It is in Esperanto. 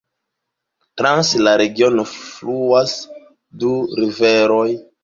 Trans la regiono fluas du riveroj.